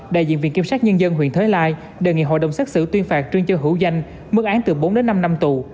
đại diện viện kiểm sát nhân dân huyện thới lai đề nghị hội đồng xét xử tuyên phạt trương châu hữu danh mức án từ bốn đến năm năm tù